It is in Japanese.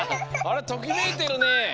ときめいてるね。